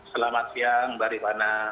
selamat siang barikwana